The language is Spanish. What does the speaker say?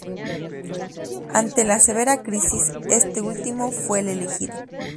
Ante la severa crisis, este último fue el elegido.